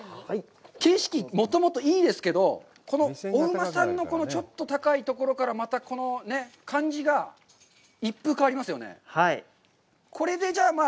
景色、もともといいですけど、このお馬さんのちょっと高いところからまた感じが一風変わりますよね。